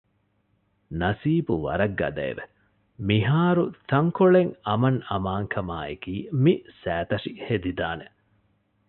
ނަސީބު ވަރަށް ގަދައެވެ! މިހާރުތަންކޮޅެއް އަމަންއަމާންކަމާއެކީ މި ސައިތަށި ހެދިދާނެ